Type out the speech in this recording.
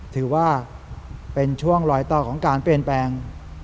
ถือว่าเป็นช่วงลอยต่อของการเปลี่ยนแปลง